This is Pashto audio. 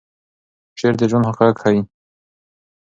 شعر د ژوند حقایق ښیي.